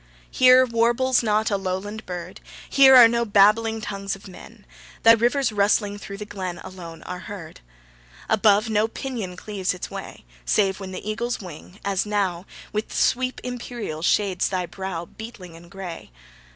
Here warbles not a lowland bird, Here are no babbling tongues of men; Thy rivers rustling through the glen Alone are heard. Above no pinion cleaves its way, Save when the eagle's wing, as now, With sweep imperial shades thy brow Beetling and grey.